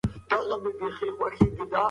حق باید تل په صداقت سره خپل خاوند ته وسپارل شي.